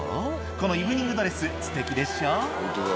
このイブニングドレスすてきでしょ？」